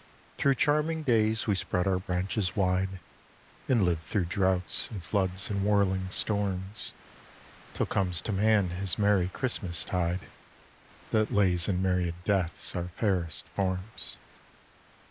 Through charming days we spread our branches wide, And live through drouths, and floods, and whirling storms, Till comes to man his merry Christmas tide, That lays in myriad deaths our fairest forms.